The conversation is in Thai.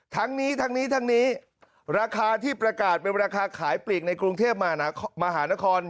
ทั้งนี้ทั้งนี้ทั้งนี้ราคาที่ประกาศเป็นราคาขายปลีกในกรุงเทพมหานคร